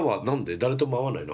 誰とも会わないの？